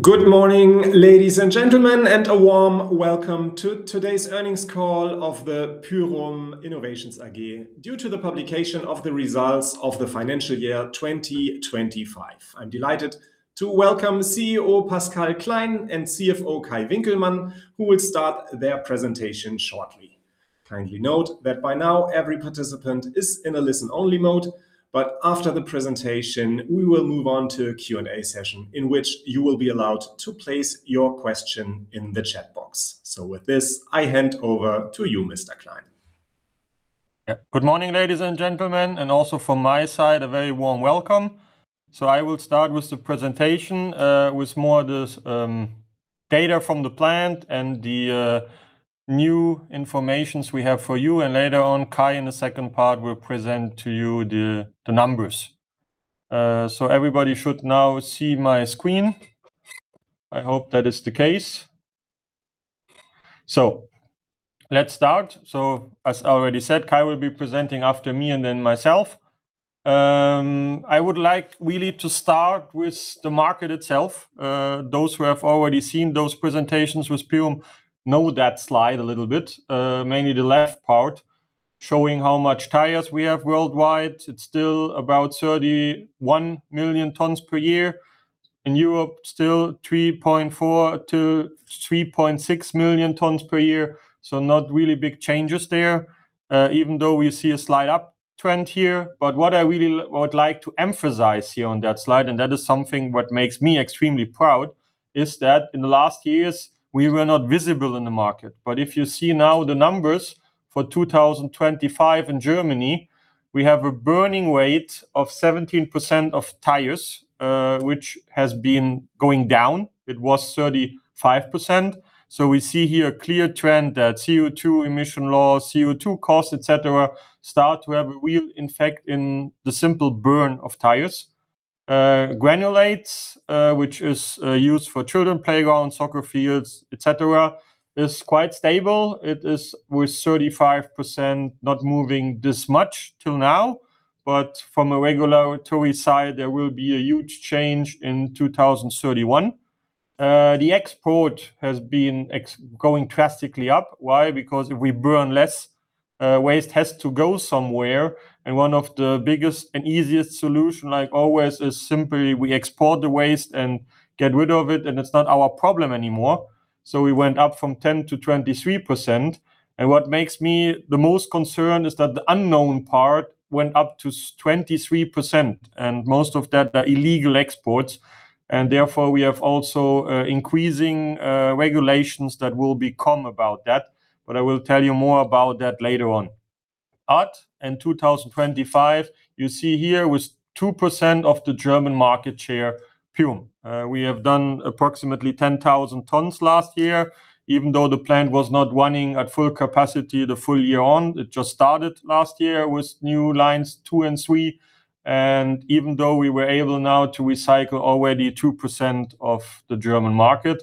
Good morning, ladies and gentlemen, and a warm welcome to today's earnings call of the Pyrum Innovations AG due to the publication of the results of the financial year 2025. I'm delighted to welcome CEO Pascal Klein and CFO Kai Winkelmann, who will start their presentation shortly. Kindly note that by now every participant is in a listen-only mode, but after the presentation, we will move on to a Q&A session in which you will be allowed to place your question in the chat box. With this, I hand over to you, Mr. Klein. Good morning, ladies and gentlemen, and also from my side, a very warm welcome. I will start with the presentation, with more or less data from the plant and the new information we have for you. Later on, Kai, in the second part, will present to you the numbers. Everybody should now see my screen. I hope that is the case. Let's start. As already said, Kai will be presenting after me, and then myself. I would like really to start with the market itself. Those who have already seen those presentations with Pyrum know that slide a little bit, mainly the left part, showing how much tires we have worldwide. It's still about 31,000,000 tons per year. In Europe, still 3,400,000 to 3,600,000 tons per year. Not really big changes there, even though we see a slight uptrend here. What I really would like to emphasize here on that slide, and that is something what makes me extremely proud, is that in the last years we were not visible in the market. If you see now the numbers for 2025 in Germany, we have a burning rate of 17% of tires, which has been going down. It was 35%. We see here a clear trend that CO2 emission laws, CO2 costs, et cetera, start to have a wheel, in fact, in the simple burn of tires. Granulates, which is used for children playground, soccer fields, et cetera, is quite stable. It is with 35% not moving this much till now. From a regular tire side, there will be a huge change in 2031. The export has been going drastically up. Why? Because if we burn less, waste has to go somewhere, and one of the biggest and easiest solution, like always, is simply we export the waste and get rid of it, and it's not our problem anymore. We went up from 10% to 23%. What makes me the most concerned is that the unknown part went up to 23%, and most of that are illegal exports, and therefore we have also, increasing regulations that will be come about that. I will tell you more about that later on. In 2025, you see here with 2% of the German market share, Pyrum. We have done approximately 10,000tons last year, even though the plant was not running at full capacity the full year on. It just started last year with new lines 2&3. Even though we were able now to recycle already 2% of the German market.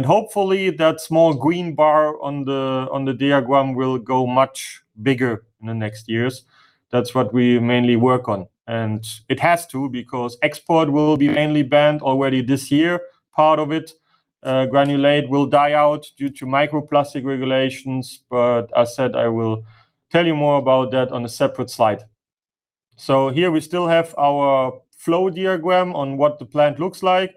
Hopefully, that small green bar on the diagram will go much bigger in the next years. That's what we mainly work on. It has to because export will be mainly banned already this year. Part of it, granulate will die out due to microplastic regulations. As said, I will tell you more about that on a separate slide. Here we still have our flow diagram on what the plant looks like.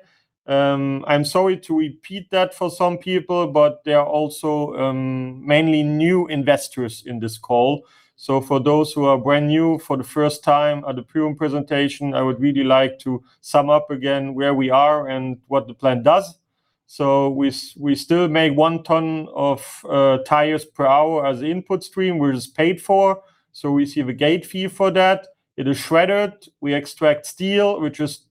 I'm sorry to repeat that for some people, there are also mainly new investors in this call. For those who are brand new for the first time at the Pyrum presentation, I would really like to sum up again where we are and what the plant does. We still make 1ton of tires per hour as input stream, which is paid for. We receive a gate fee for that. It is shredded. We extract steel, which is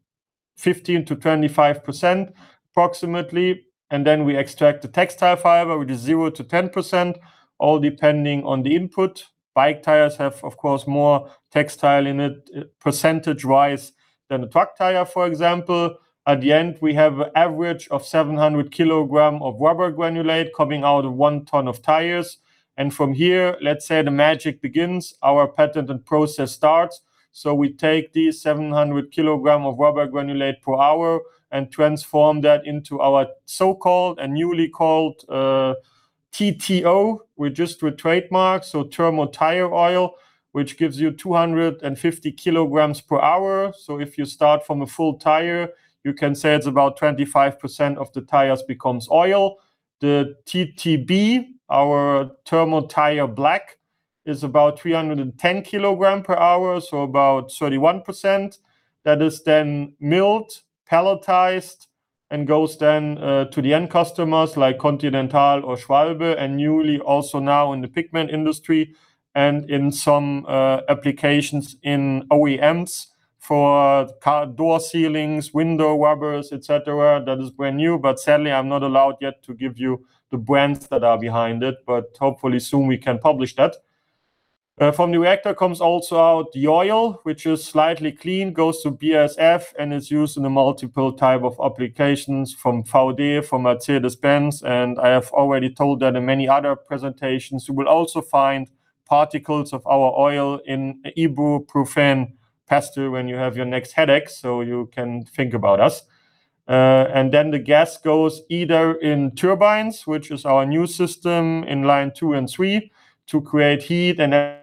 15% to 25% approximately, then we extract the textile fiber, which is 0% to 10%, all depending on the input. Bike tires have, of course, more textile in it percentage-wise than a truck tire, for example. At the end, we have an average of 700kg of rubber granulate coming out of 1ton of tires. From here, let's say the magic begins. Our patent and process starts. We take these 700kg of rubber granulate per hour and transform that into our so-called and newly called TTO, which is through trademark, ThermoTireOil, which gives you 250kg/h. If you start from a full tire, you can say it's about 25% of the tires becomes oil. The TTB, our ThermoTireBlack, is about 310kg/h, about 31%. That is then milled, pelletized, and goes then to the end customers like Continental or Schwalbe and newly also now in the pigment industry and in some applications in OEMs for car door sealings, window rubbers, et cetera. That is brand new, but sadly, I'm not allowed yet to give you the brands that are behind it, but hopefully soon we can publish that. From the reactor comes also out the oil, which is slightly clean, goes to BASF, and is used in a multiple type of applications from VAUDE, from Mercedes-Benz. I have already told that in many other presentations. You will also find particles of our oil in ibuprofen [inaudible] when you have your next headache, so you can think about us. The gas goes either in turbines, which is our new system in line 2&3, to create heat. That's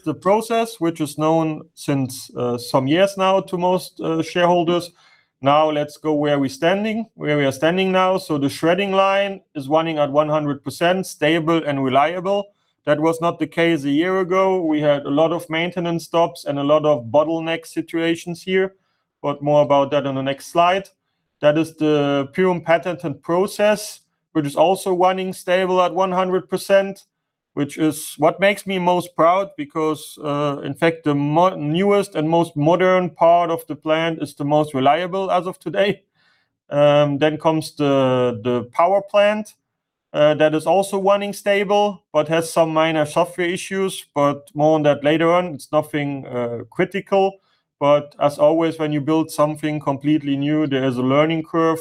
the process which is known since some years now to most shareholders. Let's go where we standing, where we are standing now. The shredding line is running at 100% stable and reliable. That was not the case a year ago. We had a lot of maintenance stops and a lot of bottleneck situations here, but more about that on the next slide. That is the Pyrum patented process, which is also running stable at 100%, which is what makes me most proud because, in fact, the newest and most modern part of the plant is the most reliable as of today. Comes the power plant, that is also running stable, but has some minor software issues, but more on that later on. It's nothing critical, but as always, when you build something completely new, there is a learning curve.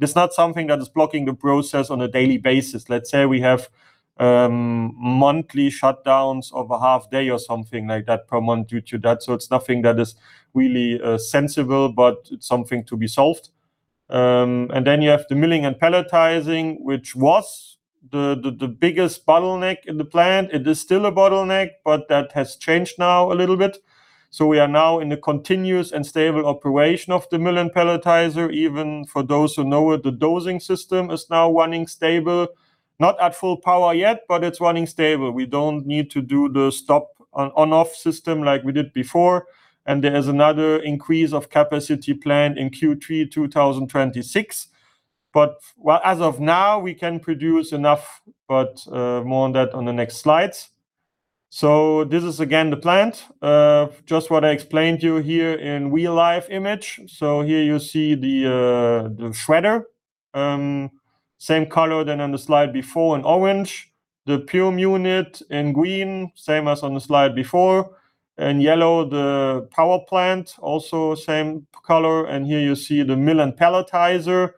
It's not something that is blocking the process on a daily basis. Let's say we have monthly shutdowns of a half day or something like that per month due to that. It's nothing that is really sensible, but it's something to be solved. You have the milling and pelletizing, which was the biggest bottleneck in the plant. It is still a bottleneck, that has changed now a little bit. We are now in a continuous and stable operation of the mill and pelletizer. Even for those who know it, the dosing system is now running stable. Not at full power yet, it's running stable. We don't need to do the stop on-off system like we did before. There is another increase of capacity planned in Q3 2026. Well, as of now, we can produce enough, more on that on the next slides. This is again the plant, just what I explained to you here in real life image. Here you see the shredder, same color than on the slide before in orange. The Pyrum unit in green, same as on the slide before. In yellow, the power plant, also same color. Here you see the mill and pelletizer.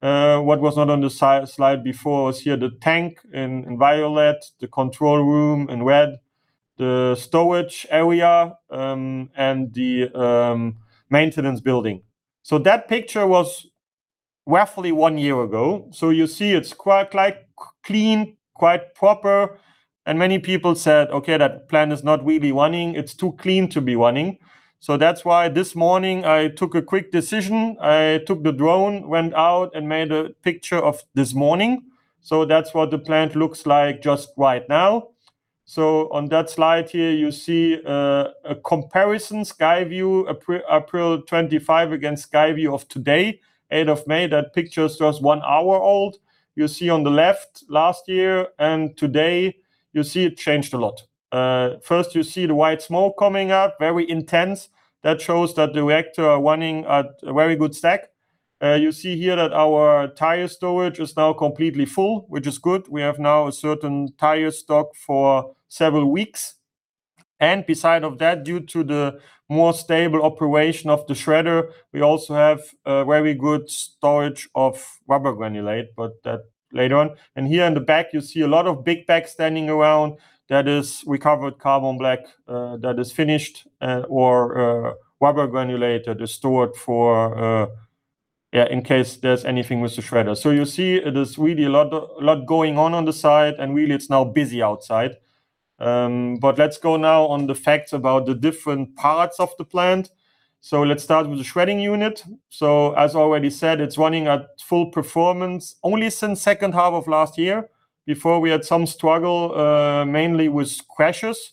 What was not on the slide before is here the tank in violet, the control room in red, the storage area, and the maintenance building. That picture was roughly one year ago. You see it's quite like clean, quite proper, and many people said, okay, that plant is not really running. It's too clean to be running. That's why this morning I took a quick decision. I took the drone, went out, and made a picture of this morning. That's what the plant looks like just right now. On that slide here, you see a comparison Skyview April 2025 against Skyview of today, 8th of May. That picture is just one hour old. You see on the left last year and today, you see it changed a lot. First you see the white smoke coming out, very intense. That shows that the reactor are running at a very good stack. You see here that our tire storage is now completely full, which is good. We have now a certain tire stock for several weeks. Beside of that, due to the more stable operation of the shredder, we also have a very good storage of rubber granulate, but that later on. Here in the back you see a lot of big bags standing around. That is recovered carbon black, that is finished, or rubber granulate that is stored for, yeah, in case there's anything with the shredder. You see it is really a lot going on on the side, and really it's now busy outside. Let's go now on the facts about the different parts of the plant. Let's start with the shredding unit. As already said, it's running at full performance only since second half of last year. Before we had some struggle, mainly with crashes.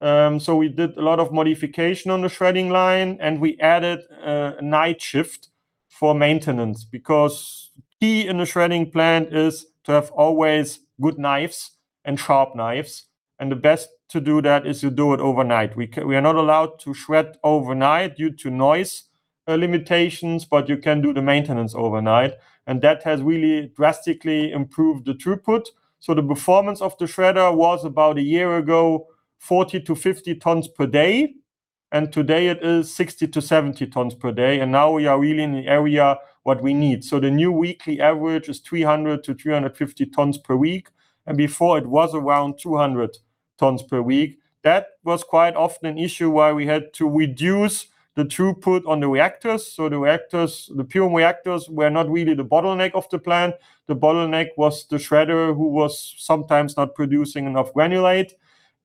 We did a lot of modification on the shredding line, and we added a night shift for maintenance because key in the shredding plant is to have always good knives and sharp knives, and the best to do that is to do it overnight. We are not allowed to shred overnight due to noise limitations, but you can do the maintenance overnight. That has really drastically improved the throughput. The performance of the shredder was about a year ago, 40 to 50 tons per day. Today it is 60 to 70 tons per day. Now we are really in the area what we need. The new weekly average is 300 tons per week to 350 tons per week. Before it was around 200 tons per week. That was quite often an issue why we had to reduce the throughput on the reactors. The reactors, the Pyrum reactors were not really the bottleneck of the plant. The bottleneck was the shredder, who was sometimes not producing enough granulate.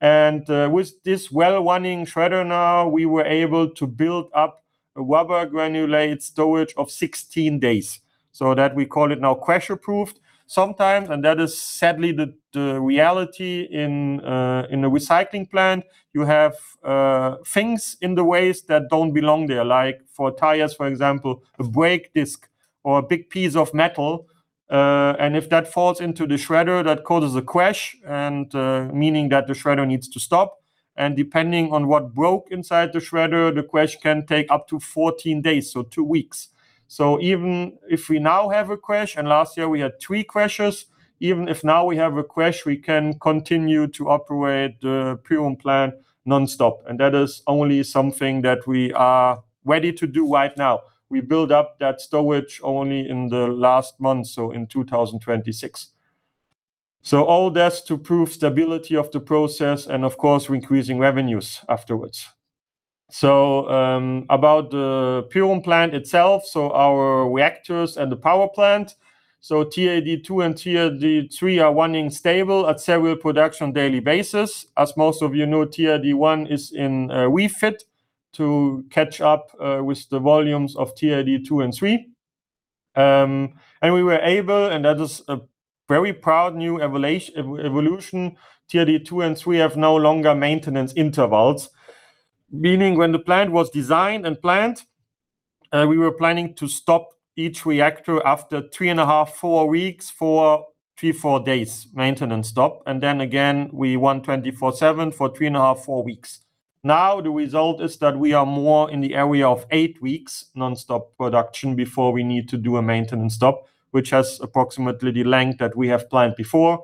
With this well-running shredder now, we were able to build up a rubber granulate storage of 16 days. That we call it now crash approved. Sometimes, and that is sadly the reality in a recycling plant, you have things in the waste that don't belong there, like for tires, for example, a brake disc or a big piece of metal. If that falls into the shredder, that causes a crash and meaning that the shredder needs to stop. Depending on what broke inside the shredder, the crash can take up to 14 days, so two weeks. Even if we now have a crash, and last year we had three crashes, even if now we have a crash, we can continue to operate the Pyrum plant nonstop, and that is only something that we are ready to do right now. We build up that storage only in the last month, in 2026. All that's to prove stability of the process, and of course, increasing revenues afterwards. About the Pyrum plant itself, our reactors and the power plant, TAD 2 and TAD 3 are running stable at several production daily basis. As most of you know, TAD 1 is in refit to catch up with the volumes of TAD 2 and 3. We were able, and that is a very proud new evolution, TAD 2 and 3 have no longer maintenance intervals. Meaning when the plant was designed and planned, we were planning to stop each reactor after three and a half, four weeks for three, four days maintenance stop. Again, we run 24/7 for three and a half, four weeks. The result is that we are more in the area of eight weeks nonstop production before we need to do a maintenance stop, which has approximately the length that we have planned before.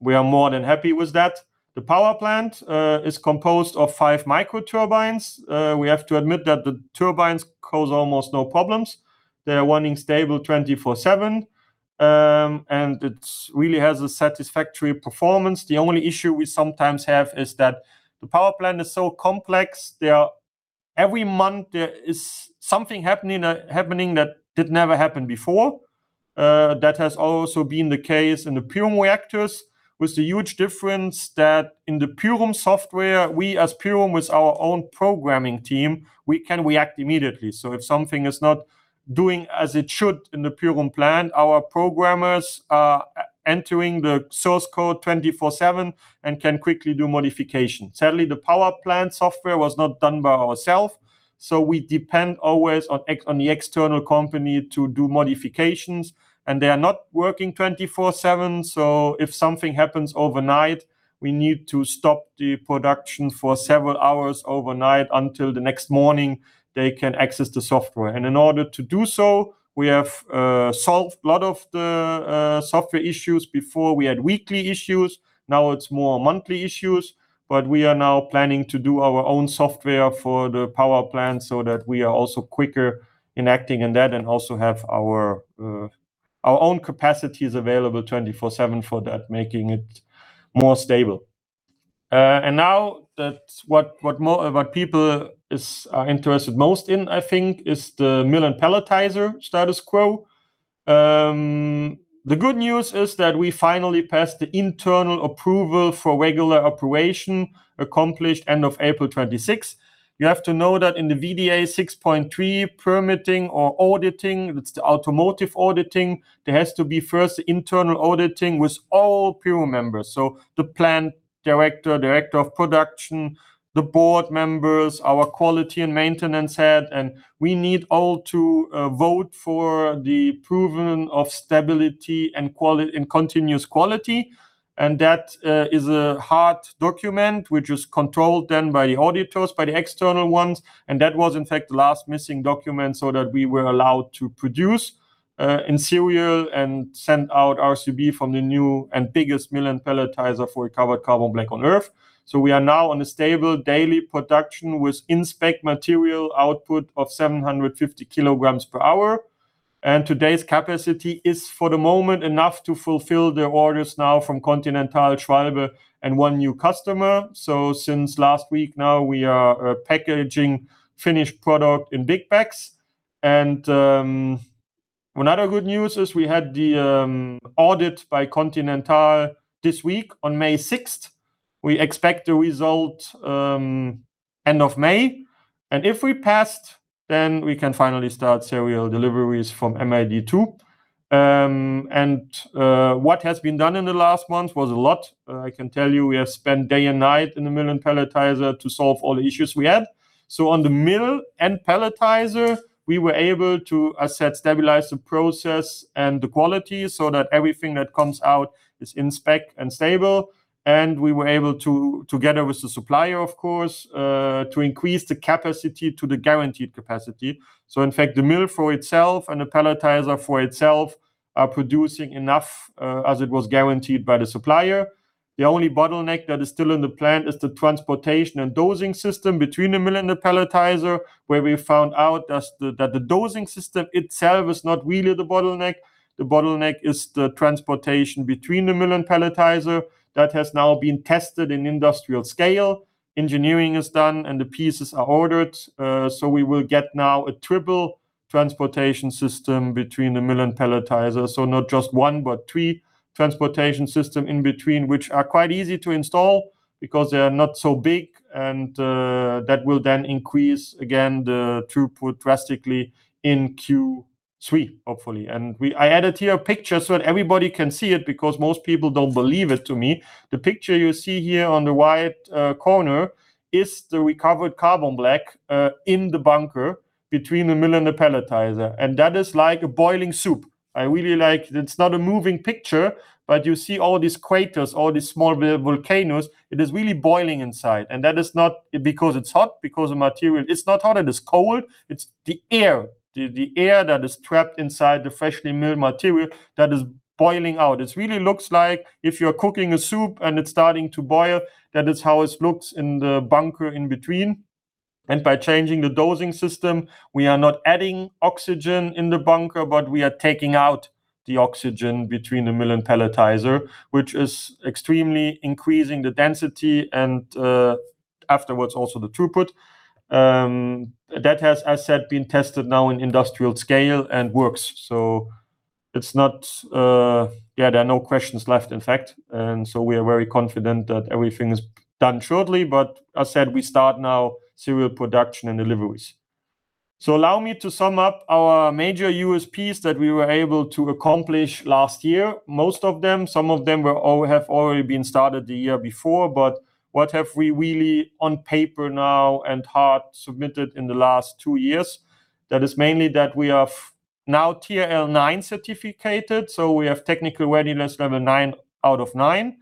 We are more than happy with that. The power plant is composed of five micro turbines. We have to admit that the turbines cause almost no problems. They are running stable 24/7. It's really has a satisfactory performance. The only issue we sometimes have is that the power plant is so complex. Every month there is something happening that did never happen before. That has also been the case in the Pyrum reactors with the huge difference that in the Pyrum software, we as Pyrum, with our own programming team, we can react immediately. If something is not doing as it should in the Pyrum plant, our programmers are entering the source code 24/7 and can quickly do modifications. Sadly, the power plant software was not done by ourself, we depend always on the external company to do modifications. They are not working 24/7, if something happens overnight, we need to stop the production for several hours overnight until the next morning they can access the software. In order to do so, we have solved a lot of the software issues. Before we had weekly issues, now it's more monthly issues. We are now planning to do our own software for the power plant so that we are also quicker in acting in that and also have our own capacities available 24/7 for that, making it more stable. Now that what people is, are interested most in, I think, is the mill and pelletizer status quo. The good news is that we finally passed the internal approval for regular operation accomplished end of 26 April. You have to know that in the VDA 6.3 permitting or auditing, it's the automotive auditing, there has to be first internal auditing with all Pyrum members. The plant director of production, the board members, our quality and maintenance head, and we need all to vote for the proven of stability and continuous quality. That is a hard document which is controlled then by the auditors, by the external ones. That was in fact the last missing document so that we were allowed to produce in serial and send out RCB from the new and biggest mill and pelletizer for recovered carbon black on Earth. We are now on a stable daily production with in spec material output of 750kg/h. Today's capacity is, for the moment, enough to fulfill the orders now from Continental, Schwalbe, and one new customer. Since last week, now we are packaging finished product in big packs. Another good news is we had the audit by Continental this week on 6 May. We expect the result end of May. If we passed, then we can finally start serial deliveries from MID 2. What has been done in the last month was a lot. I can tell you we have spent day and night in the mill and pelletizer to solve all the issues we had. On the mill and pelletizer, we were able to, I said, stabilize the process and the quality so that everything that comes out is in spec and stable. We were able to, together with the supplier of course, to increase the capacity to the guaranteed capacity. In fact, the mill for itself and the pelletizer for itself are producing enough as it was guaranteed by the supplier. The only bottleneck that is still in the plant is the transportation and dosing system between the mill and the pelletizer, where we found out that the dosing system itself is not really the bottleneck. The bottleneck is the transportation between the mill and pelletizer. That has now been tested in industrial scale. Engineering is done, the pieces are ordered. We will get now a triple transportation system between the mill and pelletizer. Not just one, but three transportation system in between, which are quite easy to install because they are not so big, and that will then increase again the throughput drastically in Q3, hopefully. I added here a picture so that everybody can see it because most people don't believe it to me. The picture you see here on the right corner is the recovered carbon black in the bunker between the mill and the pelletizer. That is like a boiling soup. I really like It's not a moving picture, but you see all these craters, all these small volcanoes. It is really boiling inside. That is not because it's hot, because the material, it's not hot and it's cold. It's the air, the air that is trapped inside the freshly milled material that is boiling out. It really looks like if you're cooking a soup and it's starting to boil, that is how it looks in the bunker in between. By changing the dosing system, we are not adding oxygen in the bunker, but we are taking out the oxygen between the mill and pelletizer, which is extremely increasing the density and afterwards also the throughput. That has, as said, been tested now in industrial scale and works. It's not. There are no questions left, in fact. We are very confident that everything is done shortly. As said, we start now serial production and deliveries. Allow me to sum up our major USPs that we were able to accomplish last year. Most of them, some of them have already been started the year before, but what have we really on paper now and hard submitted in the last two years, that is mainly that we are now TRL 9 certificated, so we have Technical Readiness Level 9 out of 9.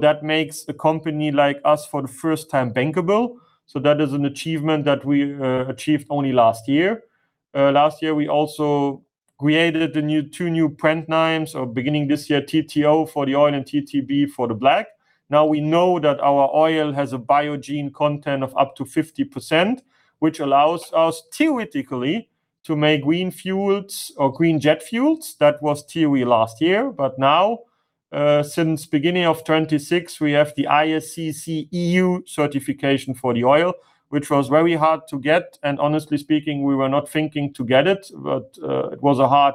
That makes a company like us for the first time bankable, so that is an achievement that we achieved only last year. Last year we also created the new, two new brand names, so beginning this year, TTO for the oil and TTB for the black. Now we know that our oil has a biogene content of up to 50%, which allows us theoretically to make green fuels or green jet fuels. That was theory last year. Now, since beginning of 2026, we have the ISCC EU certification for the oil, which was very hard to get, and honestly speaking, we were not thinking to get it. It was a hard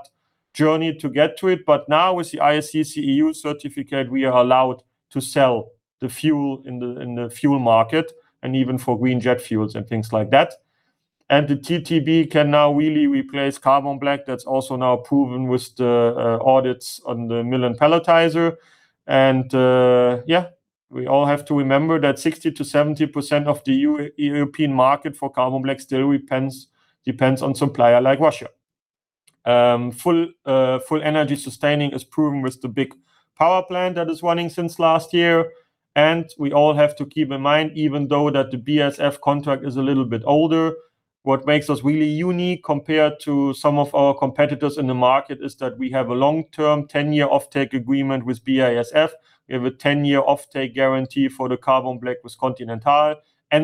journey to get to it. Now with the ISCC EU certificate, we are allowed to sell the fuel in the fuel market and even for green jet fuels and things like that. The TTB can now really replace carbon black. That's also now proven with the audits on the mill and pelletizer. Yeah, we all have to remember that 60% to 70% of the European market for carbon black still depends on supplier like Russia. Full energy sustaining is proven with the big power plant that is running since last year. We all have to keep in mind, even though that the BASF contract is a little bit older, what makes us really unique compared to some of our competitors in the market is that we have a long-term 10 year offtake agreement with BASF. We have a 10 year offtake guarantee for the carbon black with Continental.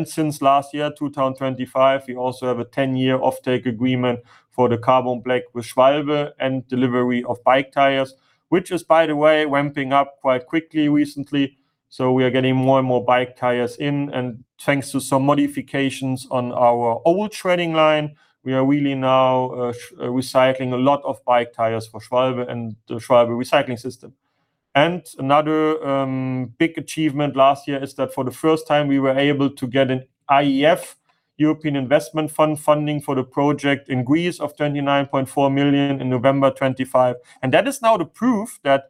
Since last year, 2025, we also have a 10 year offtake agreement for the carbon black with Schwalbe and delivery of bike tires, which is by the way, ramping up quite quickly recently. We are getting more and more bike tires in, and thanks to some modifications on our old shredding line, we are really now recycling a lot of bike tires for Schwalbe and the Schwalbe Recycling System. Another big achievement last year is that for the first time we were able to get an EIF, European Investment Fund, funding for the project in Greece of 29.4 million in November 2025. That is now the proof that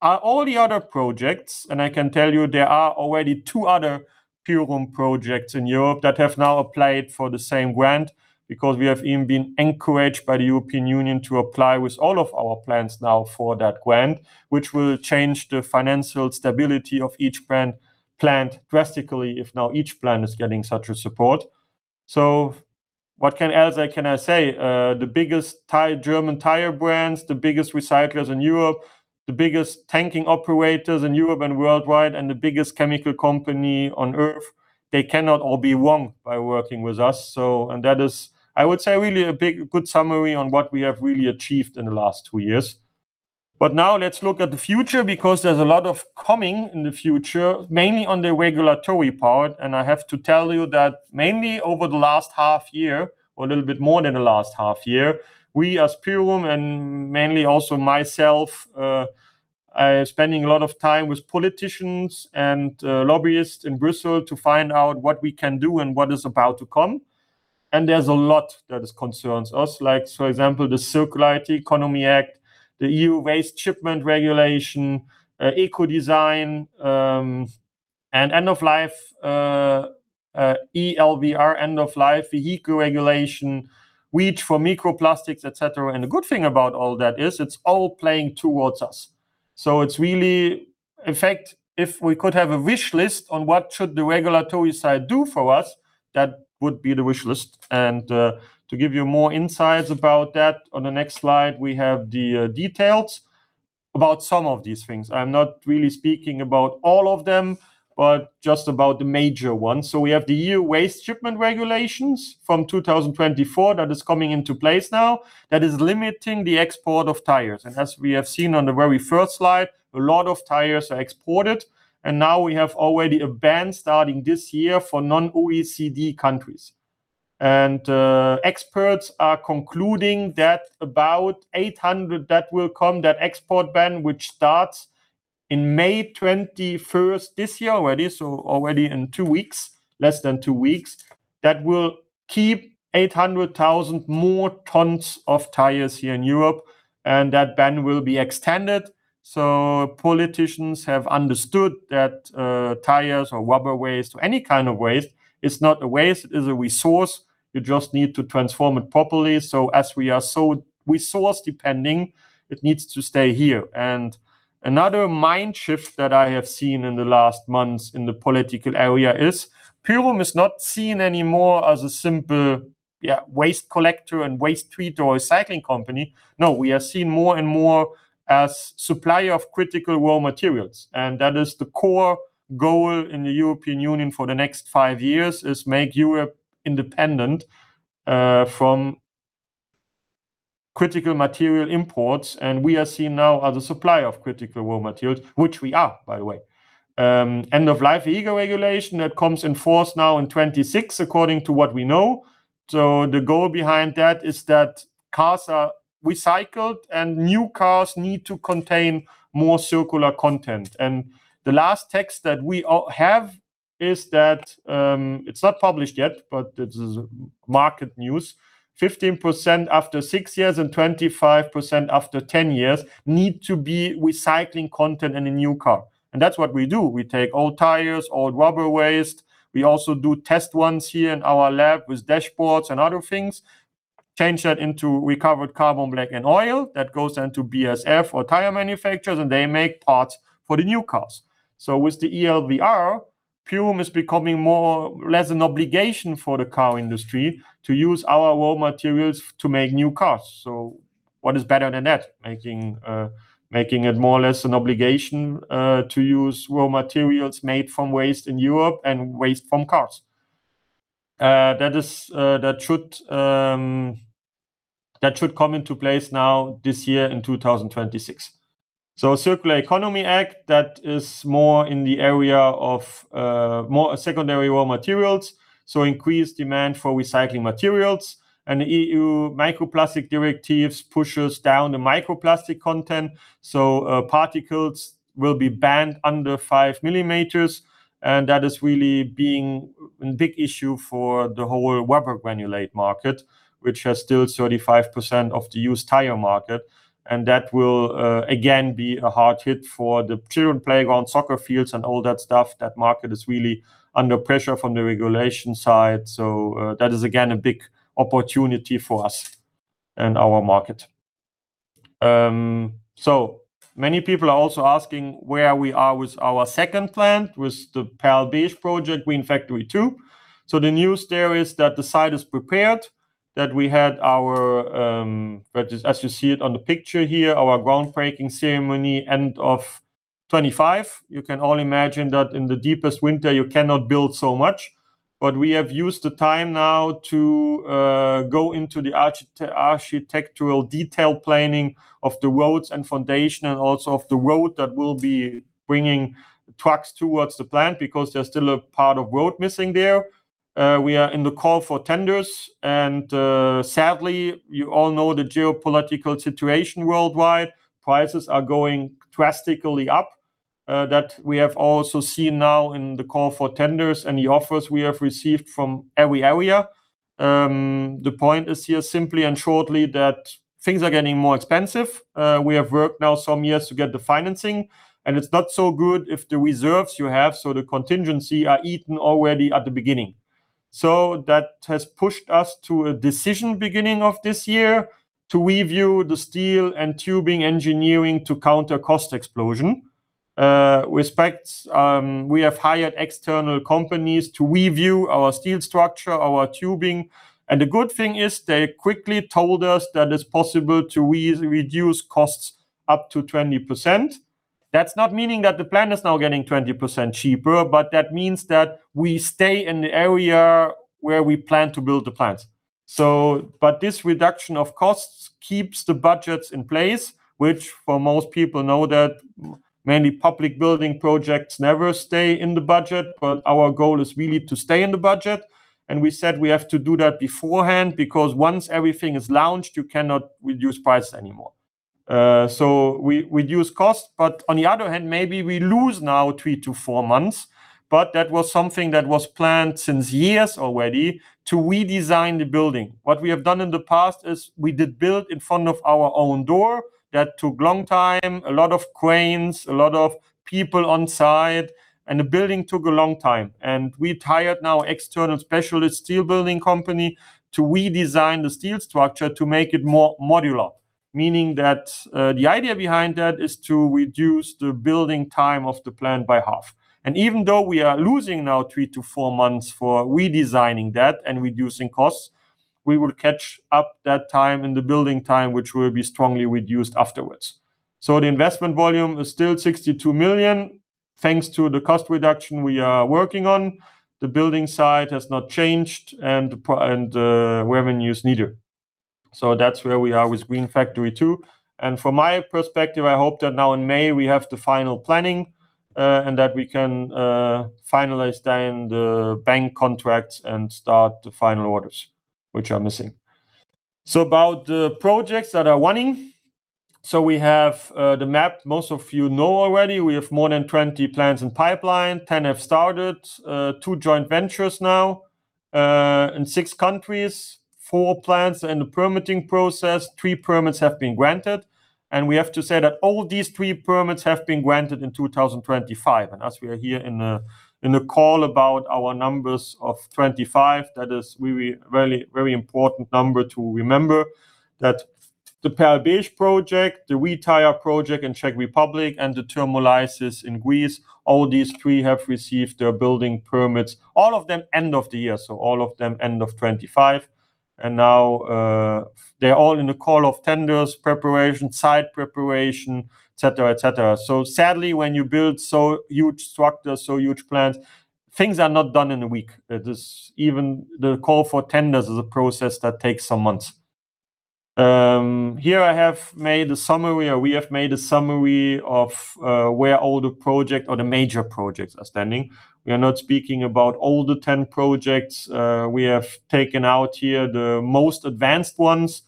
all the other projects, I can tell you there are already two other Pyrum projects in Europe that have now applied for the same grant, because we have even been encouraged by the European Union to apply with all of our plants now for that grant, which will change the financial stability of each plant drastically if now each plant is getting such a support. What else can I say? The biggest German tire brands, the biggest recyclers in Europe, the biggest tanking operators in Europe and worldwide, and the biggest chemical company on earth, they cannot all be wrong by working with us. That is, I would say, really a big, good summary on what we have really achieved in the last two years. Now let's look at the future because there's a lot of coming in the future, mainly on the regulatory part. I have to tell you that mainly over the last half year, or a little bit more than the last half year, we as Pyrum and mainly also myself, spending a lot of time with politicians and lobbyists in Brussels to find out what we can do and what is about to come. There's a lot that concerns us, like, for example, the Circular Economy Act, the EU Waste Shipment Regulation, Ecodesign, and ELVR, our End-of-Life Vehicles Regulation, REACH for microplastics, et cetera. The good thing about all that is it's all playing towards us. It's really, in fact, if we could have a wish list on what should the regulatory side do for us, that would be the wish list. To give you more insights about that, on the next slide, we have the details about some of these things. I'm not really speaking about all of them, but just about the major ones. We have the EU Waste Shipment Regulations from 2024 that is coming into place now, that is limiting the export of tires. As we have seen on the very first slide, a lot of tires are exported. Now we have already a ban starting this year for non-OECD countries. Experts are concluding that export ban which starts in 21 May this year already, so already in two weeks, less than two weeks, that will keep 800,000 more tons of tires here in Europe, and that ban will be extended. Politicians have understood that tires or rubber waste or any kind of waste is not a waste, it is a resource. You just need to transform it properly. As we are so resource depending, it needs to stay here. Another mind shift that I have seen in the last months in the political area is Pyrum is not seen anymore as a simple waste collector and waste treater or recycling company. No. We are seen more and more as supplier of critical raw materials. That is the core goal in the European Union for the next five years, is make Europe independent from critical material imports. We are seen now as a supplier of critical raw materials, which we are, by the way. End-of-Life Vehicles Regulation, that comes in force now in 2026 according to what we know. The goal behind that is that cars are recycled and new cars need to contain more circular content. The last text that we all have is that, it's not published yet, but this is market news, 15% after six years and 25% after 10 years need to be recycling content in a new car. That's what we do. We take old tires, old rubber waste. We also do test ones here in our lab with dashboards and other things, change that into recovered carbon black and oil. That goes then to BASF or tire manufacturers, and they make parts for the new cars. With the ELVR, Pyrum is becoming more less an obligation for the car industry to use our raw materials to make new cars. What is better than that? Making it more or less an obligation to use raw materials made from waste in Europe and waste from cars. That is, that should come into place now this year in 2026. Circular Economy Act, that is more in the area of more secondary raw materials, increased demand for recycling materials. The EU Microplastic Directive pushes down the microplastic content, particles will be banned under 5mm, that is really being a big issue for the whole rubber granulate market, which has still 35% of the used tire market. That will, again, be a hard hit for the children playground, soccer fields, and all that stuff. That market is really under pressure from the regulation side. That is, again, a big opportunity for us and our market. Many people are also asking where we are with our second plant, with the Perl-Besch project, GreenFactory II. The news there is that the site is prepared, that we had our, as you see it on the picture here, our groundbreaking ceremony end of 2025. You can all imagine that in the deepest winter you cannot build so much. We have used the time now to go into the architectural detail planning of the roads and foundation and also of the road that will be bringing trucks towards the plant, because there's still a part of road missing there. We are in the call for tenders, and sadly, you all know the geopolitical situation worldwide. Prices are going drastically up, that we have also seen now in the call for tenders and the offers we have received from every area. The point is here simply and shortly that things are getting more expensive. We have worked now some years to get the financing, and it's not so good if the reserves you have, so the contingency, are eaten already at the beginning. That has pushed us to a decision beginning of this year to review the steel and tubing engineering to counter cost explosion. With specs, we have hired external companies to review our steel structure, our tubing. The good thing is they quickly told us that it's possible to reduce costs up to 20%. That's not meaning that the plant is now getting 20% cheaper, but that means that we stay in the area where we plan to build the plants. This reduction of costs keeps the budgets in place, which for most people know that mainly public building projects never stay in the budget, but our goal is really to stay in the budget. We said we have to do that beforehand, because once everything is launched, you cannot reduce price anymore. We reduce cost, but on the other hand, maybe we lose now three to four months, but that was something that was planned since years already to redesign the building. What we have done in the past is we did build in front of our own door. That took long time, a lot of cranes, a lot of people on site, and the building took a long time. We hired now external specialist steel building company to redesign the steel structure to make it more modular. Meaning that the idea behind that is to reduce the building time of the plant by half. Even though we are losing now three to four months for redesigning that and reducing costs, we will catch up that time in the building time, which will be strongly reduced afterwards. The investment volume is still 62 million. Thanks to the cost reduction we are working on, the building site has not changed and the revenues neither. That's where we are with GreenFactory II. From my perspective, I hope that now in May we have the final planning, and that we can finalize then the bank contracts and start the final orders, which are missing. About the projects that are running. We have the map most of you know already. We have more than 20 plants in pipeline. 10 have started. two joint ventures now in six countries. Four plants in the permitting process. Three permits have been granted. We have to say that all these three permits have been granted in 2025. As we are here in a call about our numbers of 2025, that is really very, very important number to remember, that the Perl-Besch project, the reTIRE project in Czech Republic, and the Thermo-Lysi in Greece, all these three have received their building permits, all of them end of the year. All of them end of 2025. Now, they're all in the call of tenders, preparation, site preparation, et cetera, et cetera. Sadly, when you build so huge structures, so huge plants, things are not done in a week. It is even the call for tenders is a process that takes some months. Here I have made a summary, or we have made a summary of where all the project or the major projects are standing. We are not speaking about all the 10 projects. We have taken out here the most advanced ones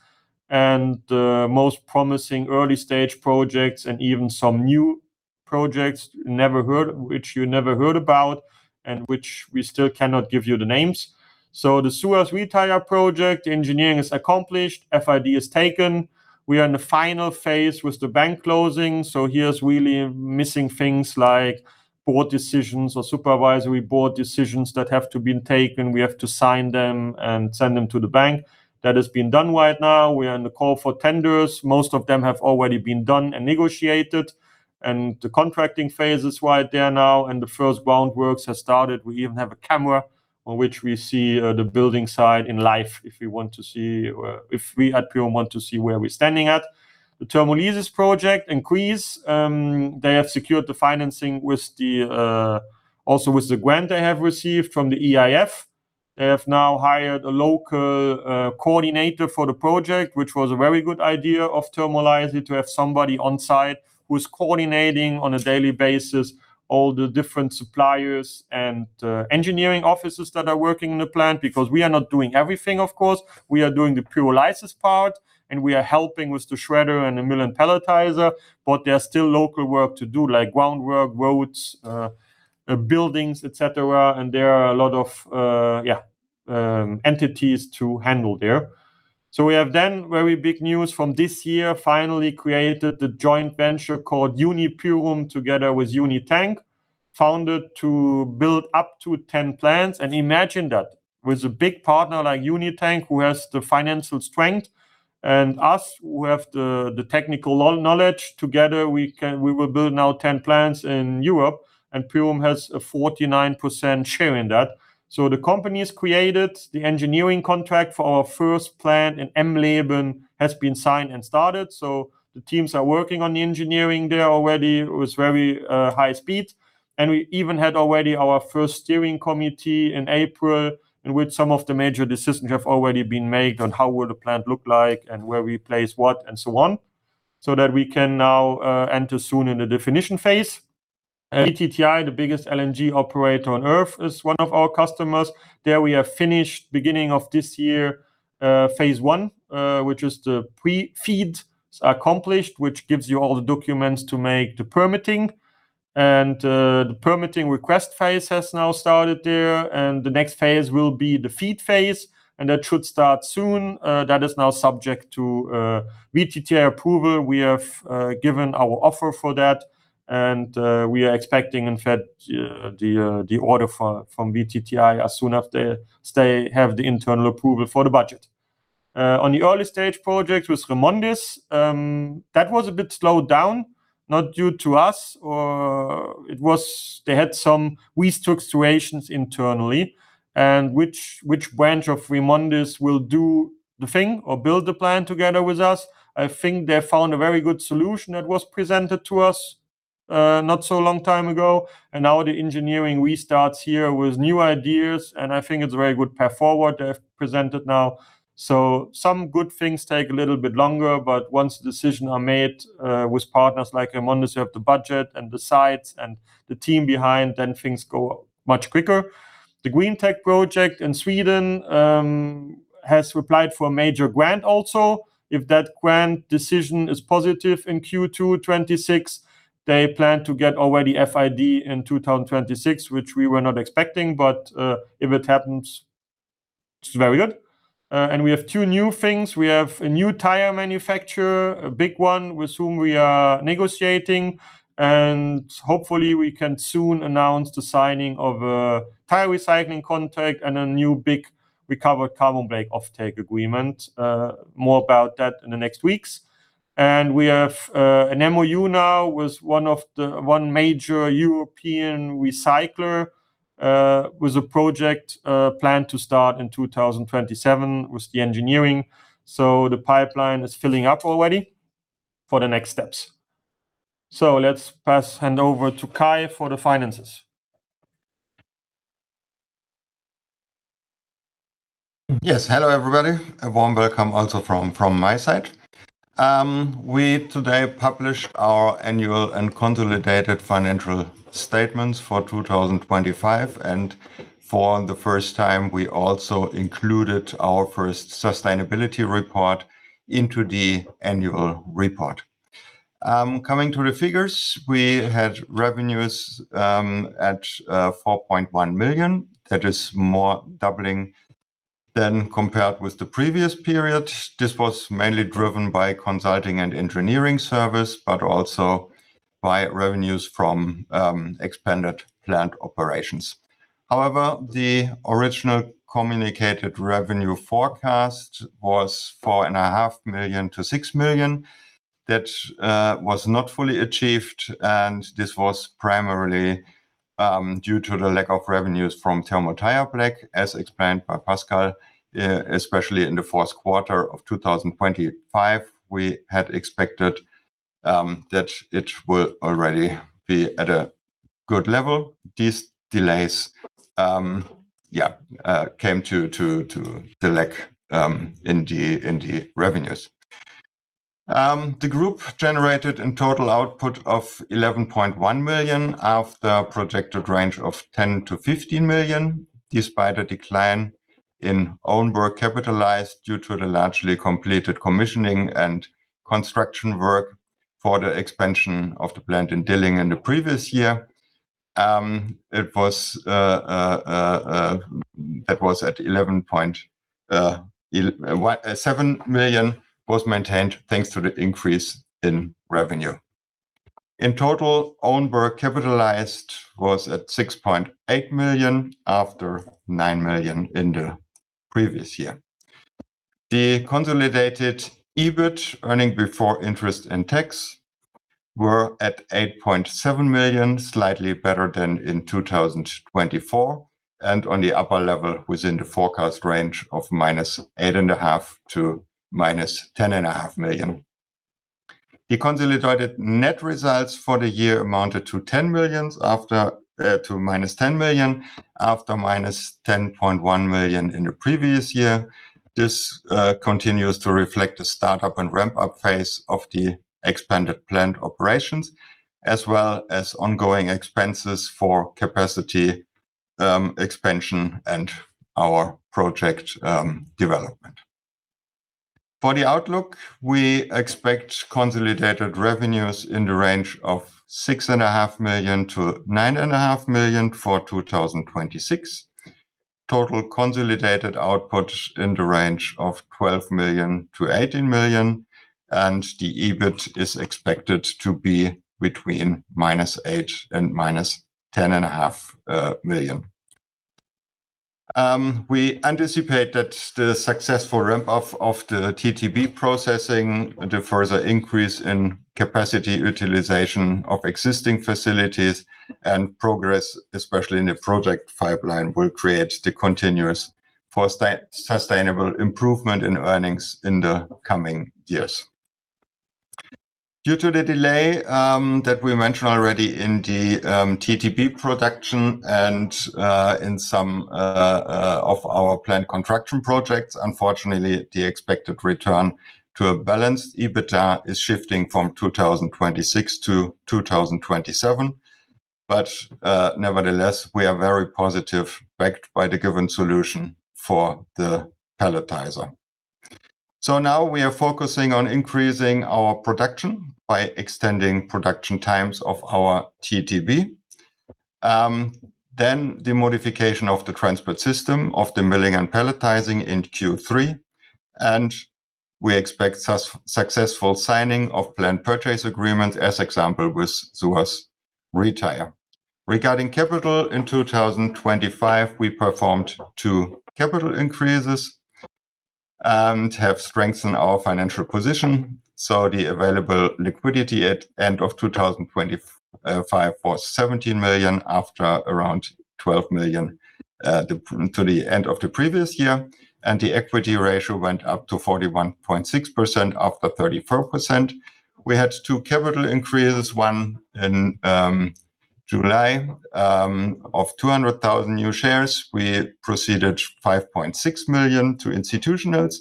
and the most promising early-stage projects and even some new projects which you never heard about and which we still cannot give you the names. The SUAS project engineering is accomplished. FID is taken. We are in the final phase with the bank closing. Here's really missing things like board decisions or supervisory board decisions that have to been taken. We have to sign them and send them to the bank. That has been done right now. We are in the call for tenders. Most of them have already been done and negotiated. The contracting phase is right there now. The first groundworks has started. We even have a camera on which we see the building site live if we at Pyrum want to see where we're standing at. The Thermo Lysi project in Greece, they have secured the financing with the also with the grant they have received from the EIF. They have now hired a local coordinator for the project, which was a very good idea of Thermo Lysi to have somebody on site who is coordinating on a daily basis all the different suppliers and engineering offices that are working in the plant because we are not doing everything, of course. We are doing the pyrolysis part, and we are helping with the shredder and the mill and pelletizer. There's still local work to do, like groundwork, roads, buildings, et cetera. There are a lot of entities to handle there. We have then very big news from this year, finally created the joint venture called UniPyrum together with UNITANK, founded to build up to 10 plants. Imagine that with a big partner like UNITANK, who has the financial strength, and us, who have the technical knowledge, together we will build now 10 plants in Europe, and Pyrum has a 49% share in that. The company has created the engineering contract for our first plant, and Emleben has been signed and started. The teams are working on the engineering there already with very high speed. We even had already our first steering committee in April, in which some of the major decisions have already been made on how will the plant look like and where we place what and so on, so that we can now enter soon in the definition phase. VTTI, the biggest LNG operator on Earth, is one of our customers. There we have finished beginning of this year, phase I, which is the PRE-FEED accomplished, which gives you all the documents to make the permitting. The permitting request phase has now started there, the next phase will be the FEED phase, and that should start soon. That is now subject to VTTI approval. We have given our offer for that, we are expecting in fact the order from VTTI as soon as they have the internal approval for the budget. On the early stage project with REMONDIS, that was a bit slowed down, not due to us or they had some restructurations internally and which branch of REMONDIS will do the thing or build the plant together with us. I think they found a very good solution that was presented to us not so long time ago. Now the engineering restarts here with new ideas, I think it's a very good path forward they have presented now. Some good things take a little bit longer, but once decisions are made, with partners like REMONDIS, who have the budget and the sites and the team behind, then things go much quicker. The GreenTech project in Sweden has applied for a major grant also. If that grant decision is positive in Q2 2026, they plan to get already FID in 2026, which we were not expecting. If it happens, it's very good. We have two new things. We have a new tire manufacturer, a big one with whom we are negotiating, and hopefully we can soon announce the signing of a tire recycling contract and a new big recovered carbon black offtake agreement. More about that in the next weeks. We have an MOU now with one major European recycler, with a project planned to start in 2027 with the engineering. The pipeline is filling up already for the next steps. Let's pass hand over to Kai for the finances. Yes. Hello, everybody. A warm welcome also from my side. We today published our annual and consolidated financial statements for 2025. For the first time, we also included our first sustainability report into the annual report. Coming to the figures, we had revenues at 4.1 million. That is more doubling than compared with the previous period. This was mainly driven by consulting and engineering service, but also by revenues from expanded plant operations. However, the original communicated revenue forecast was 4.5 to 6 million. That was not fully achieved. This was primarily due to the lack of revenues from ThermoTireBlack, as explained by Pascal, especially in the fourth quarter of 2025, we had expected that it will already be at a good level. These delays came to the lack in the revenues. The group generated in total output of 11.1 million of the projected range of 10 to 15 million, despite a decline in own work capitalized due to the largely completed commissioning and construction work for the expansion of the plant in Dillingen the previous year. It was at 11.7 million was maintained thanks to the increase in revenue. In total, own work capitalized was at 6.8 million after 9 million in the previous year. The consolidated EBIT, earnings before interest and tax, were at 8.7 million, slightly better than in 2024, and on the upper level within the forecast range of -8.5 to -10.5 million. The consolidated net results for the year amounted to -10 million, after -10.1 million in the previous year. This continues to reflect the startup and ramp-up phase of the expanded plant operations, as well as ongoing expenses for capacity expansion and our project development. For the outlook, we expect consolidated revenues in the range of 6.5 to 9.5 million for 2026. Total consolidated output in the range of 12 to 18 million. The EBIT is expected to be between -8 million and -10.5 million. We anticipate that the successful ramp-up of the TTB processing, the further increase in capacity utilization of existing facilities and progress, especially in the project pipeline, will create the continuous for sustainable improvement in earnings in the coming years. Due to the delay that we mentioned already in the TTB production and in some of our plant contraction projects, unfortunately, the expected return to a balanced EBITDA is shifting from 2026 to 2027. Nevertheless, we are very positive, backed by the given solution for the pelletizer. Now we are focusing on increasing our production by extending production times of our TTB. The modification of the transport system of the milling and pelletizing in Q3. We expect successful signing of plant purchase agreement, as example, with SUAS reTIRE. Regarding capital, in 2025, we performed two capital increases to have strengthened our financial position. The available liquidity at end of 2025 was 17 million after around 12 million to the end of the previous year. The equity ratio went up to 41.6% after 34%. We had two capital increases, one in July of 200,000 new shares. We proceeded 5.6 million to institutionals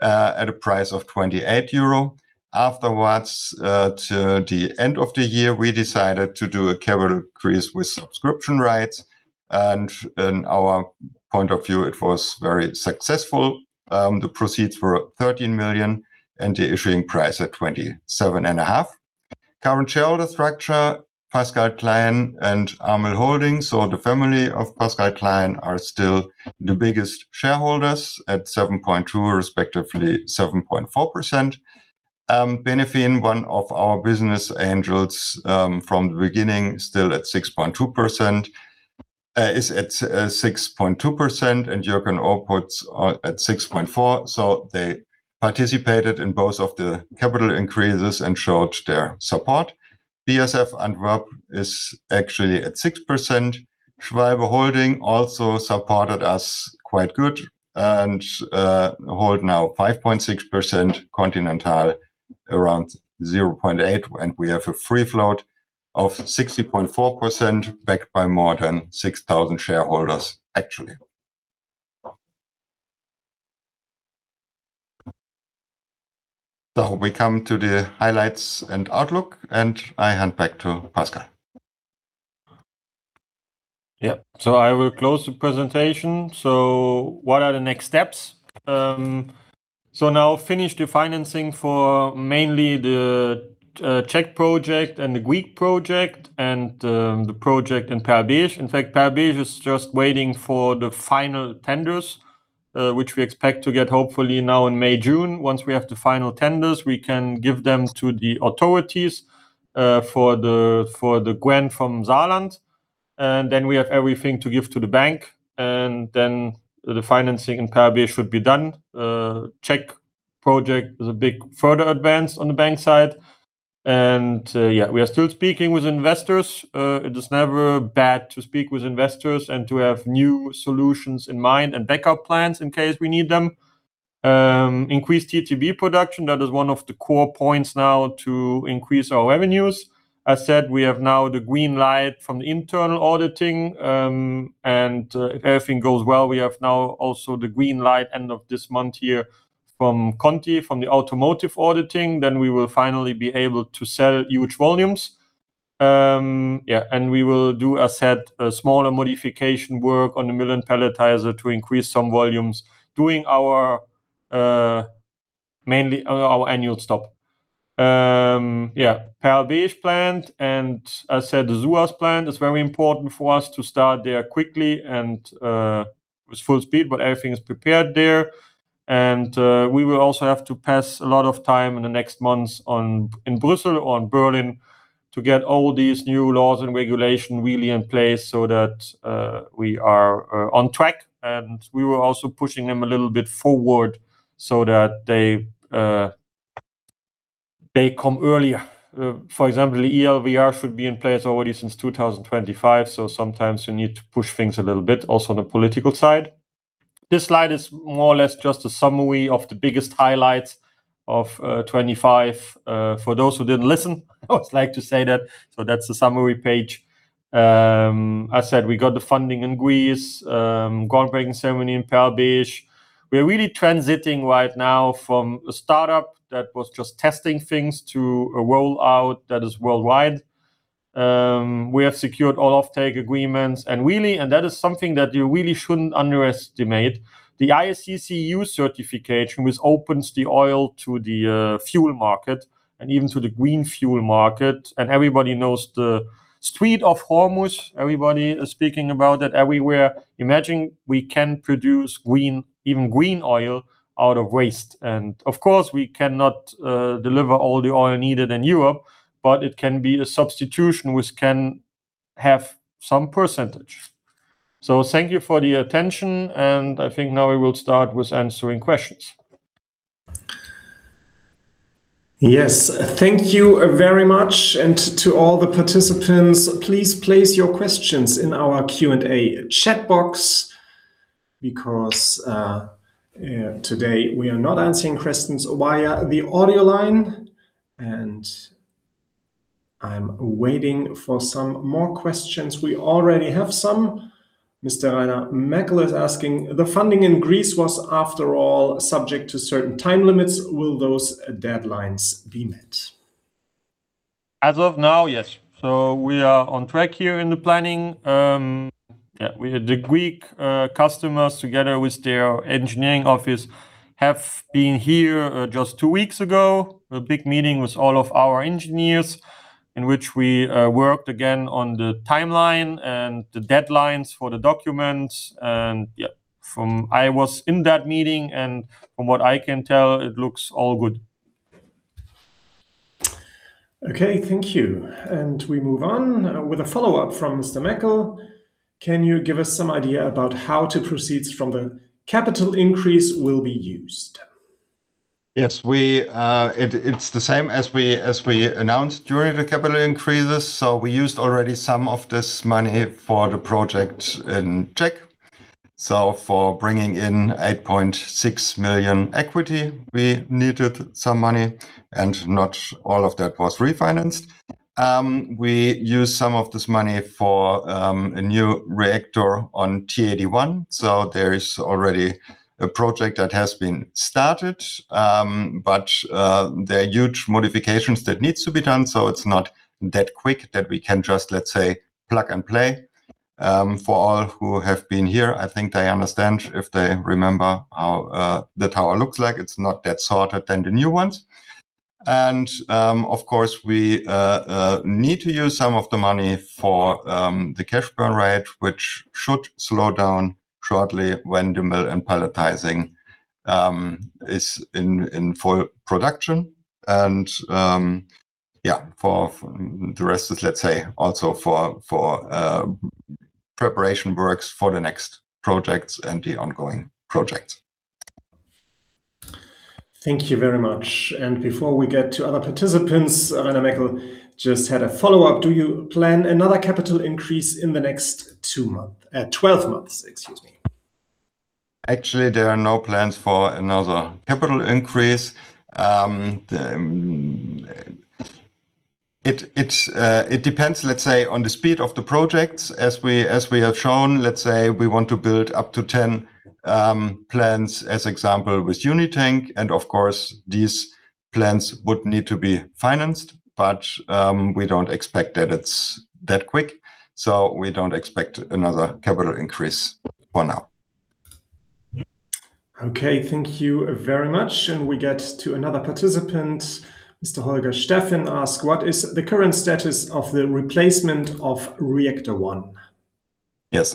at a price of 28 euro. Afterwards, to the end of the year, we decided to do a capital increase with subscription rights. In our point of view, it was very successful. The proceeds were 13 million and the issuing price at 27.5. Current shareholder structure, Pascal Klein and Amel Holding SA, so the family of Pascal Klein are still the biggest shareholders at 7.2%, respectively 7.4%. Benifin, one of our business angels, from the beginning, still at 6.2%, and Jürgen Opitz at 6.4%. They participated in both of the capital increases and showed their support. BASF Antwerpen is actually at 6%. Schwalbe Holding also supported us quite good and hold now 5.6%, Continental around 0.8%. We have a free float of 60.4%, backed by more than 6,000 shareholders, actually. We come to the highlights and outlook, and I hand back to Pascal. I will close the presentation. What are the next steps? Now finish the financing for mainly the Czech project and the Greek project and the project in Perl-Besch. In fact, Perl-Besch is just waiting for the final tenders, which we expect to get hopefully now in May, June. Once we have the final tenders, we can give them to the authorities for the grant from Saarland, and then we have everything to give to the bank, and then the financing in Perl-Besch should be done. Czech project is a big further advance on the bank side, we are still speaking with investors. It is never bad to speak with investors and to have new solutions in mind and backup plans in case we need them. Increased TTB production, that is one of the core points now to increase our revenues. As said, we have now the green light from the internal auditing, if everything goes well, we have now also the green light end of this month here from Conti, from the automotive auditing. We will finally be able to sell huge volumes. We will do, as said, a smaller modification work on the mill and palletizer to increase some volumes during our, mainly, our annual stop. Perl-Besch plant and, as said, the SUAS plant is very important for us to start there quickly and with full speed, but everything is prepared there. We will also have to pass a lot of time in the next months in Brussels or in Berlin to get all these new laws and regulation really in place so that we are on track. We were also pushing them a little bit forward so that they come earlier. For example, the ELVR should be in place already since 2025, sometimes you need to push things a little bit also on the political side. This slide is more or less just a summary of the biggest highlights of 2025, for those who didn't listen. I would like to say that's the summary page. As said, we got the funding in Greece, groundbreaking ceremony in Perl-Besch. We are really transiting right now from a startup that was just testing things to a roll-out that is worldwide. We have secured all offtake agreements. That is something that you really shouldn't underestimate. The ISCC EU certification, which opens the oil to the fuel market and even to the green fuel market. Everybody knows the Strait of Hormuz. Everybody is speaking about it everywhere. Imagine we can produce green, even green oil out of waste. Of course, we cannot deliver all the oil needed in Europe, but it can be a substitution which can have some percentage. Thank you for the attention, and I think now we will start with answering questions. Yes. Thank you very much. To all the participants, please place your questions in our Q&A chat box because today we are not answering questions via the audio line, and I am waiting for some more questions. We already have some. Mr. Rainer Meckel is asking, the funding in Greece was after all subject to certain time limits. Will those deadlines be met? As of now, yes. We are on track here in the planning. We had the Greek customers together with their engineering office have been here just two weeks ago. A big meeting with all of our engineers in which we worked again on the timeline and the deadlines for the documents. From I was in that meeting, and from what I can tell, it looks all good. Okay. Thank you. We move on with a follow-up from Mr. Meckel, can you give us some idea about how the proceeds from the capital increase will be used? Yes. It's the same as we announced during the capital increases. We used already some of this money for the project in Czech. For bringing in 8.6 million equity, we needed some money, and not all of that was refinanced. We used some of this money for a new reactor on TAD 1. There is already a project that has been started, but there are huge modifications that needs to be done, it's not that quick that we can just, let's say, plug and play. For all who have been here, I think they understand if they remember how the tower looks like. It's not that sorted than the new ones. Of course, we need to use some of the money for the cash burn rate, which should slow down shortly when the mill and pelletizing is in full production. Yeah, for the rest is, let's say, also for preparation works for the next projects and the ongoing projects. Thank you very much. Before we get to other participants, Rainer Meckel just had a follow-up, do you plan another capital increase in the next 12 months? Excuse me. Actually, there are no plans for another capital increase. It's, let's say, it depends on the speed of the projects. As we have shown, let's say, we want to build up to 10 plants, as example, with UNITANK, and of course, these plants would need to be financed. We don't expect that it's that quick. We don't expect another capital increase for now. Okay. Thank you very much. We get to another participant. Mr. Holger Steffen ask, what is the current status of the replacement of reactor 1? Yes.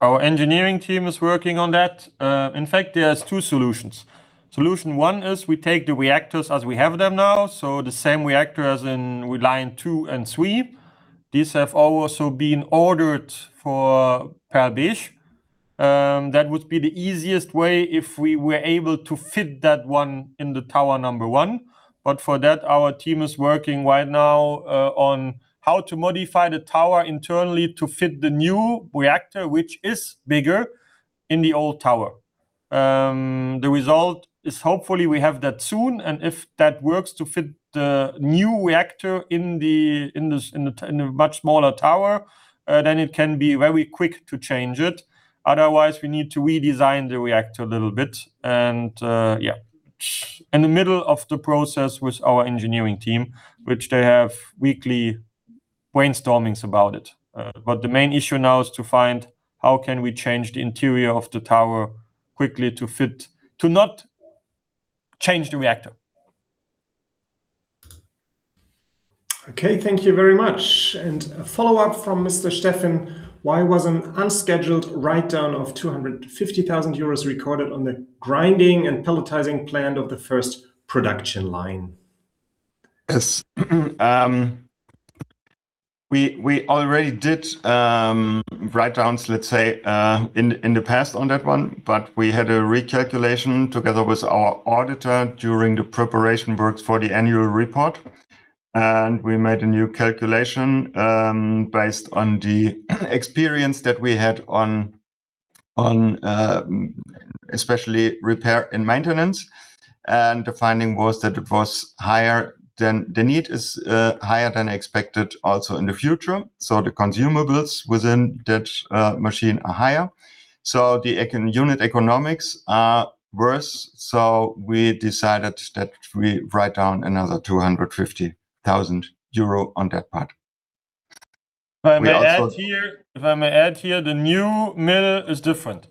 Our engineering team is working on that. In fact, there's two solutions. Solution one is we take the reactors as we have them now, so the same reactor as in line 2&3. These have also been ordered for Perl-Besch. That would be the easiest way if we were able to fit that one in the tower number one. For that, our team is working right now on how to modify the tower internally to fit the new reactor, which is bigger, in the old tower. The result is hopefully we have that soon, and if that works to fit the new reactor in a much smaller tower, then it can be very quick to change it. Otherwise, we need to redesign the reactor a little bit. In the middle of the process with our engineering team, which they have weekly brainstormings about it. The main issue now is to find how can we change the interior of the tower quickly to not change the reactor. Okay, thank you very much. A follow-up from Mr. Steffen. Why was an unscheduled write-down of 250,000 euros recorded on the grinding and pelletizing plant of the first production line? Yes. We already did write-downs, let's say, in the past on that one. We had a recalculation together with our auditor during the preparation works for the annual report. We made a new calculation based on the experience that we had on especially repair and maintenance. The finding was that it was higher than the need is higher than expected also in the future. The consumables within that machine are higher. The unit economics are worse, so we decided that we write down another 250,000 euro on that part. If I may add here, the new mill is different.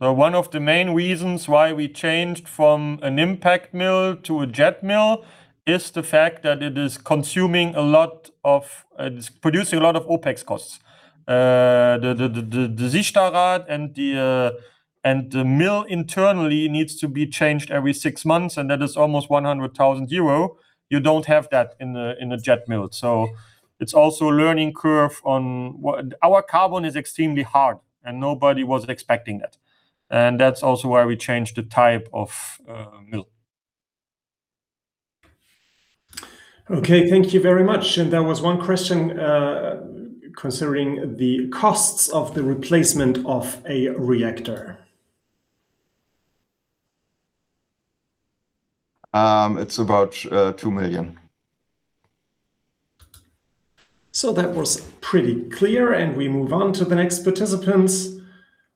One of the main reasons why we changed from an impact mill to a jet mill is the fact that it is consuming a lot of, it's producing a lot of OpEx costs. Okay. Thank you very much. There was one question considering the costs of the replacement of a reactor. It's about EUR 2 million. That was pretty clear, and we move on to the next participants.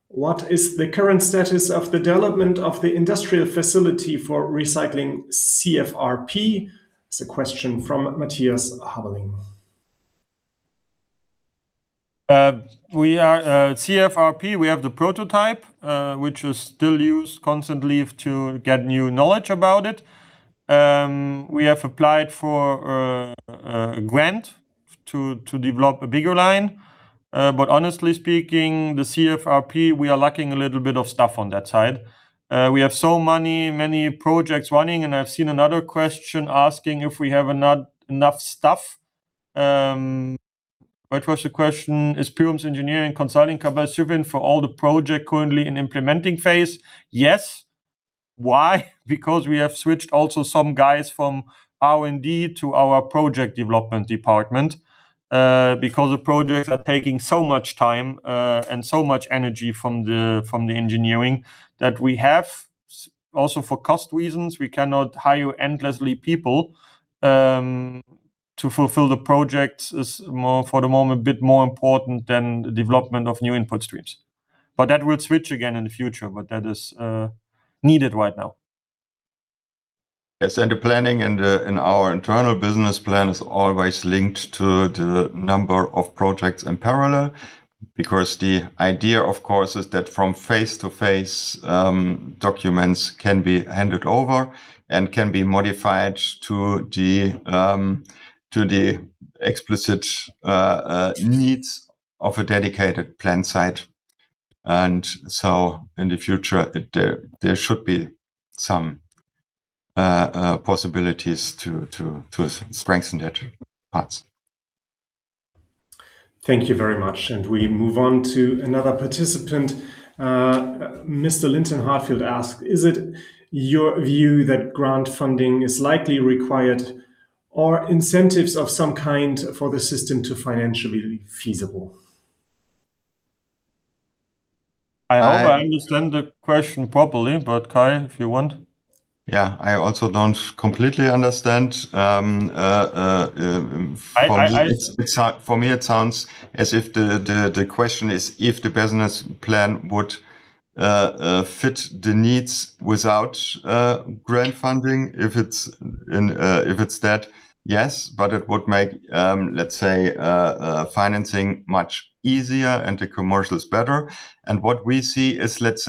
What is the current status of the development of the industrial facility for recycling CFRP? It is a question from Matthias Haberling. We are CFRP, we have the prototype, which we still use constantly to get new knowledge about it. We have applied for a grant to develop a bigger line. Honestly speaking, the CFRP, we are lacking a little bit of stuff on that side. We have so many projects running, I've seen another question asking if we have enough staff. What was the question? Is Pyrum's engineering consulting capacity sufficient for all the projects currently in implementing phase? Yes. Why? We have switched also some guys from R&D to our project development department, because the projects are taking so much time and so much energy from the engineering that we have. Also, for cost reasons, we cannot hire endlessly people. To fulfill the projects is more, for the moment, a bit more important than the development of new input streams. That will switch again in the future, but that is needed right now. The planning in the, in our internal business plan is always linked to the number of projects in parallel, because the idea, of course, is that from phase to phase, documents can be handed over and can be modified to the explicit needs of a dedicated plant site. In the future, there should be some possibilities to strengthen that parts. Thank you very much. We move on to another participant. Mr. Linton Harfield asked, is it your view that grant funding is likely required or incentives of some kind for the system to financially feasible? I hope I understand the question properly, but Kai, if you want. I also don't completely understand. I- For me, it sounds as if the question is if the business plan would fit the needs without grant funding. If it's in, if it's that, yes, but it would make financing much easier and the commercials better. What we see is that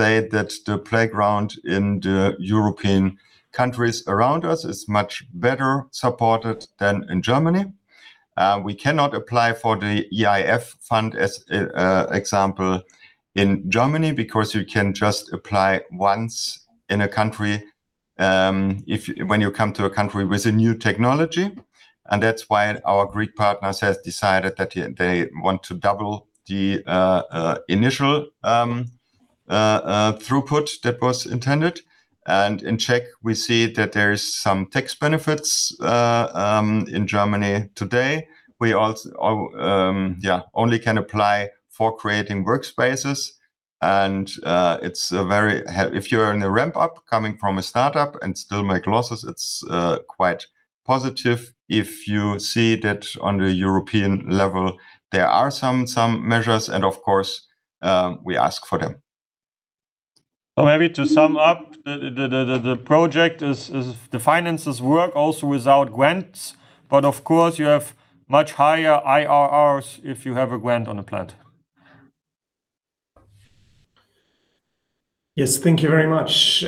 the playground in the European countries around us is much better supported than in Germany. We cannot apply for the EIF fund as a example in Germany because you can just apply once in a country. If when you come to a country with a new technology, that's why our Greek partners has decided that they want to double the initial throughput that was intended. In Czech, we see that there is some tax benefits in Germany today. We, yeah, only can apply for creating workspaces, and it's if you're in a ramp up coming from a startup and still make losses, it's quite positive. If you see that on the European level, there are some measures. Of course, we ask for them. Maybe to sum up, the project is the finances work also without grants, but of course you have much higher IRRs if you have a grant on the plant. Yes, thank you very much.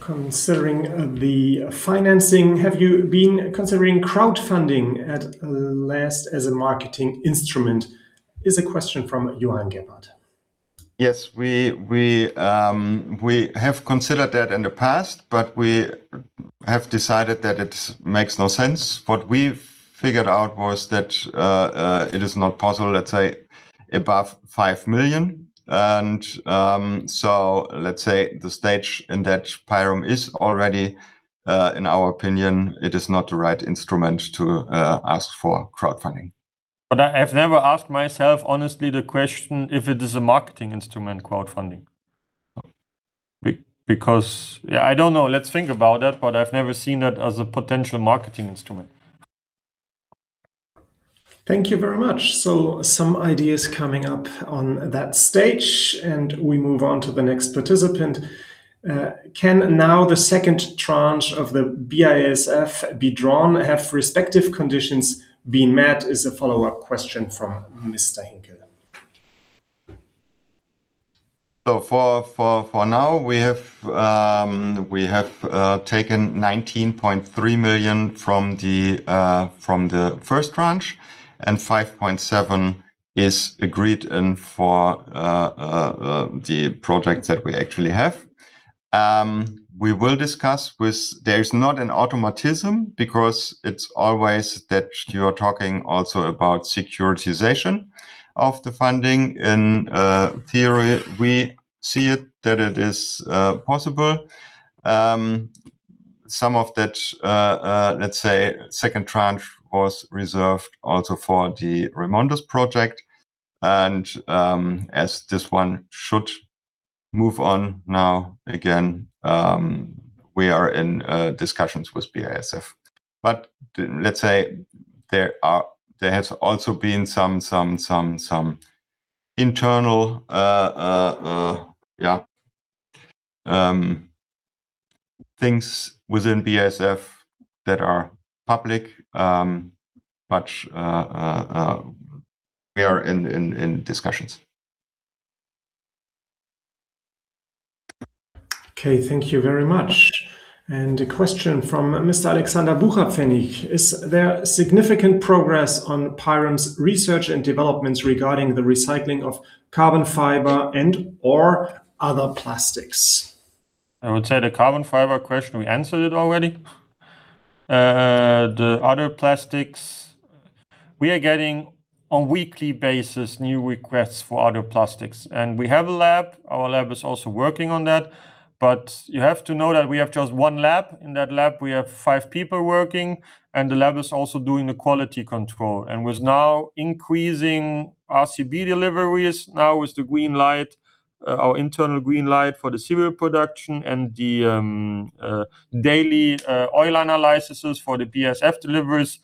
Considering the financing, have you been considering crowdfunding at last as a marketing instrument? Is a question from Johan Gebhardt. Yes. We have considered that in the past, but we have decided that it makes no sense. What we've figured out was that it is not possible, let's say, above 5 million. Let's say the stage in that Pyrum is already, in our opinion, it is not the right instrument to ask for crowdfunding. I have never asked myself honestly the question if it is a marketing instrument, crowdfunding. Because, yeah, I don't know. Let's think about that, but I've never seen it as a potential marketing instrument. Thank you very much. Some ideas coming up on that stage. We move on to the next participant. Can now the second tranche of the EIF be drawn? Have respective conditions been met? Is a follow-up question from Mr. Hinkel. For now, we have taken 19.3 million from the first tranche, and 5.7 million is agreed for the project that we actually have. We will discuss. There is not an automatism because it's always that you're talking also about securitization of the funding. In theory, we see it that it is possible. Some of that, let's say, second tranche was reserved also for the REMONDIS project. As this one should move on now, again, we are in discussions with BASF. Let's say there has also been some internal things within BASF that are public, but we are in discussions. Okay. Thank you very much. A question from Mr. Alexander Bucherpfennig. Is there significant progress on Pyrum's research and developments regarding the recycling of carbon fiber and or other plastics? I would say the carbon fiber question, we answered it already. The other plastics, we are getting on weekly basis new requests for other plastics. We have a lab. Our lab is also working on that. You have to know that we have just one lab. In that lab, we have five people working, and the lab is also doing the quality control. With now increasing RCB deliveries, now with the green light, our internal green light for the serial production and the daily oil analysis for the BASF deliveries,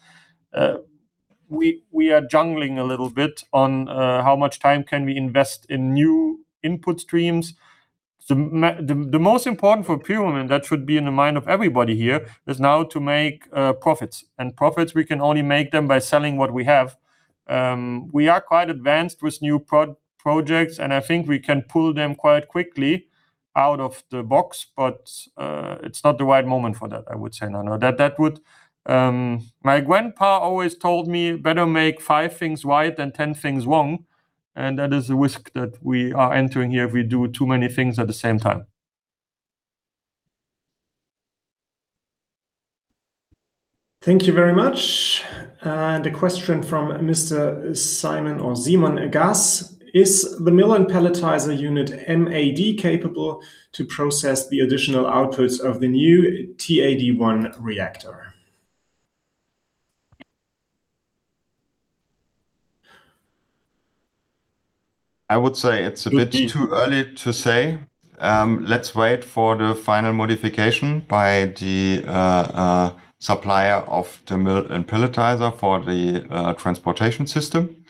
we are juggling a little bit on how much time can we invest in new input streams. The most important for Pyrum, and that should be in the mind of everybody here, is now to make profits. Profits, we can only make them by selling what we have. We are quite advanced with new projects, and I think we can pull them quite quickly out of the box. It's not the right moment for that, I would say. My grandpa always told me, better make five things right than 10 things wrong. That is the risk that we are entering here if we do too many things at the same time. Thank you very much. A question from Mr. Simon or Simon Agass. Is the mill and pelletizer unit MAD capable to process the additional outputs of the new TAD 1 reactor? I would say it's a bit too early to say. Let's wait for the final modification by the supplier of the mill and pelletizer for the transportation system.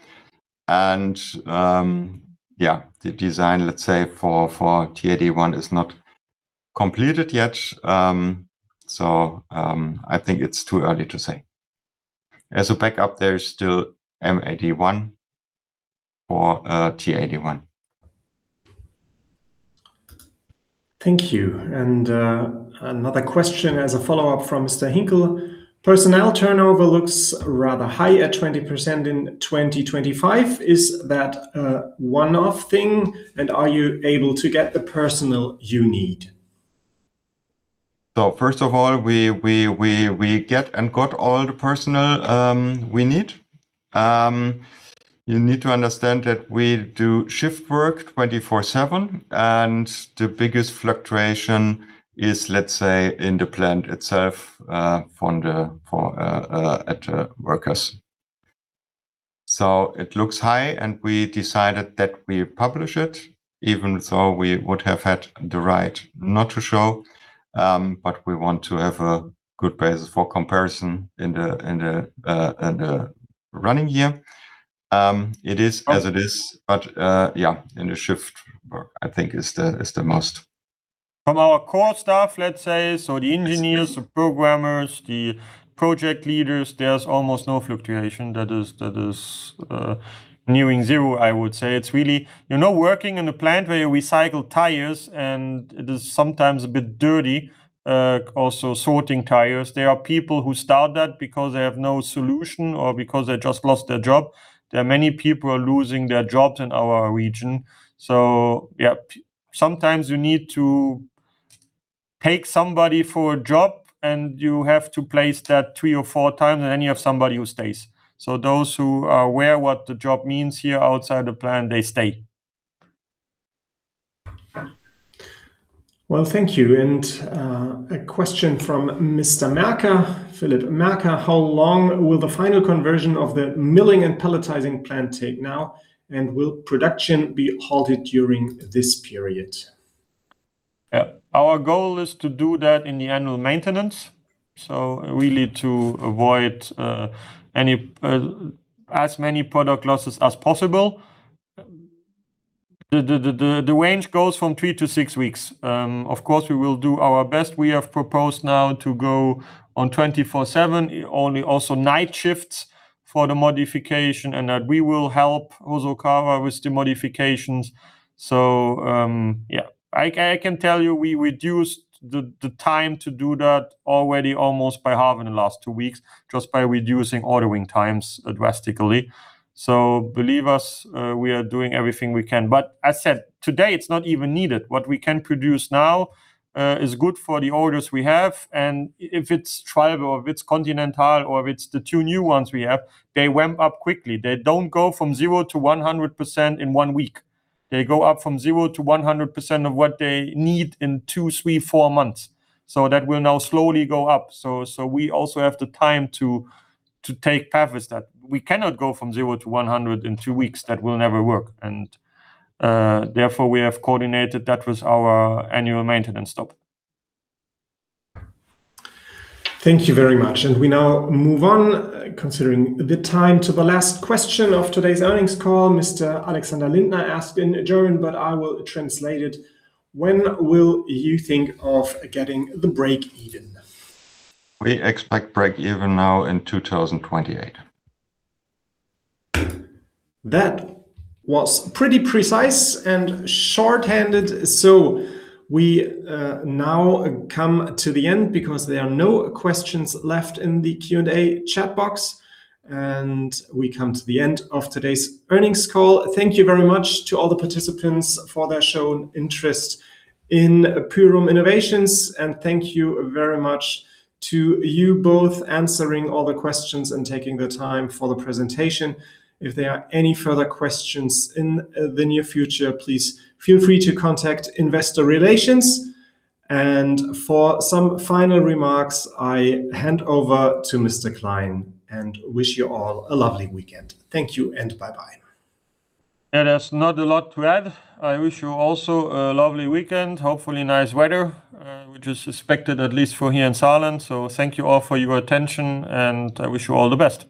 The design, let's say, for TAD 1 is not completed yet. I think it's too early to say. As a backup, there is still MAD 1 for TAD 1. Thank you. Personnel turnover looks rather high at 20% in 2025. Is that a one-off thing, and are you able to get the personnel you need? First of all, we get and got all the personnel we need. You need to understand that we do shift work 24/7, and the biggest fluctuation is, let's say, in the plant itself, from the [400 workers]. It looks high, and we decided that we publish it, even though we would have had the right not to show. But we want to have a good basis for comparison in the in the in the running year. It is as it is, but, yeah, in the shift work, I think is the, is the most. From our core staff, let's say, so the engineers, the programmers, the project leaders, there's almost no fluctuation. That is nearing zero, I would say. It's really, you know, working in a plant where you recycle tires and it is sometimes a bit dirty, also sorting tires, there are people who start that because they have no solution or because they just lost their job. There are many people losing their jobs in our region. Yeah, sometimes you need to take somebody for a job, and you have to place that three or four times than any of somebody who stays. Those who are aware what the job means here outside the plant, they stay. Well, thank you. A question from Mr. Merker, Philip Merker, how long will the final conversion of the milling and pelletizing plant take now? And will production be halted during this period? Our goal is to do that in the annual maintenance, really to avoid as many product losses as possible. The range goes from three to six weeks. Of course, we will do our best. We have proposed now to go on 24/7, only also night shifts for the modification, and that we will help Hosokawa with the modifications. I can tell you, we reduced the time to do that already almost by half in the last two weeks, just by reducing ordering times drastically. Believe us, we are doing everything we can. As said, today, it's not even needed. What we can produce now is good for the orders we have, and if it's, [inaudible] or if it's Continental, or if it's the two new ones we have, they ramp up quickly. They don't go from 0% to 100% in one week. They go up from 0% to 100% of what they need in two, three, four months. That will now slowly go up. We also have the time to take care of is that we cannot go from 0% to 100% in two weeks, that will never work. Therefore, we have coordinated that with our annual maintenance stop. Thank you very much. We now move on, considering the time, to the last question of today's earnings call. Mr. Alexander Lindner asked in German, but I will translate it. when will you think of getting the break even? We expect break even now in 2028. That was pretty precise and short-handed. We now come to the end because there are no questions left in the Q&A chat box, and we come to the end of today's earnings call. Thank you very much to all the participants for their shown interest in Pyrum Innovations, and thank you very much to you both answering all the questions and taking the time for the presentation. If there are any further questions in the near future, please feel free to contact investor relations. For some final remarks, I hand over to Mr. Klein, and wish you all a lovely weekend. Thank you, and bye-bye. There is not a lot to add. I wish you also a lovely weekend. Hopefully, nice weather, which is expected at least for here in Saarland. Thank you all for your attention, and I wish you all the best.